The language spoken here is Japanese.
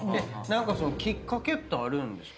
きっかけってあるんですか？